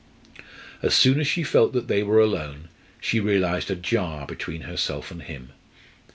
As soon as she felt that they were alone, she realised a jar between herself and him.